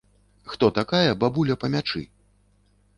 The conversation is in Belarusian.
Хто такая бабуля па мячы?